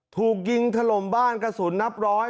ถูกยิงถล่มบ้านกระสุนนับร้อย